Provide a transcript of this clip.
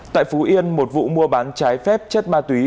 tại phú yên một vụ mua bán trái phép chất ma túy